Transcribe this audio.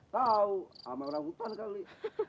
tau amal amal hutan kali